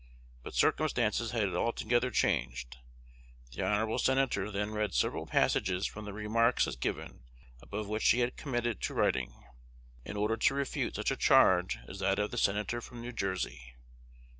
But circumstances had altogether changed. The honorable Senator then read several passages from the remarks as given above which he had committed to writing, in order to refute such a charge as that of the Senator from New Jersey."